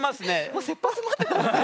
もうせっぱ詰まってたんですね。